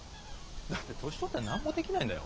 だって年取ったら何もできないんだよ。